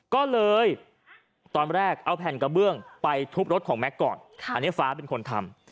ก็เลยตอนแรกเอาแผ่นกระเบื้องไปทุบรถของแก๊กก่อนอันนี้ฟ้าเป็นคนทำ